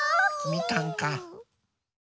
みかんか。